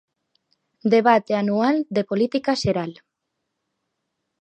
Debate anual de política xeral.